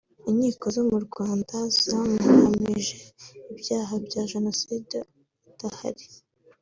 Inkiko zo mu Rwanda zamuhamije ibyaha bya Jenoside adahari